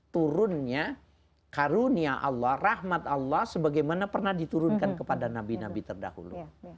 turunnya karunia allah rahmat allah sebagaimana pernah diturunkan kepada nabi nabi terdahulu